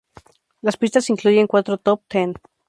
Las pistas incluyen cuatro top ten.